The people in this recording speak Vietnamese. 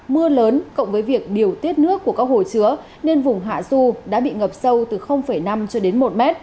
mưa lớn cộng với việc điều tiết nước của các hồ chứa nên vùng hạ du đã bị ngập sâu từ năm cho đến một mét